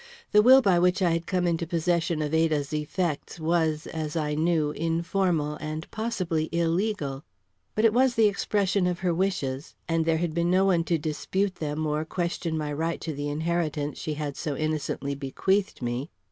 The will by which I had come into possession of Ada's effects was, as I knew, informal and possibly illegal. But it was the expression of her wishes, and there had been no one to dispute them or question my right to the inheritance she had so innocently bequeathed me.